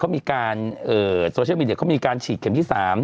เขามีการโซเชียลมีเดียเขามีการฉีดเข็มที่๓